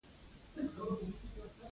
وحشي او غلي وې.